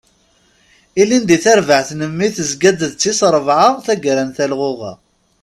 Ilindi, tarbaɛt n mmi tezga-d d tis rebɛa taggara n telɣuɣa.